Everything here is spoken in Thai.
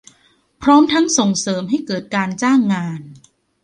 พร้อมทั้งส่งเสริมให้เกิดการจ้างงาน